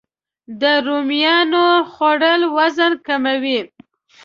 د رومیانو خوړل وزن کموي